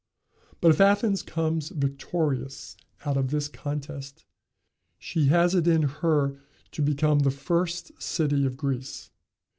But if Athens comes victorious out of this contest, she has it in her to become the first city of Greece.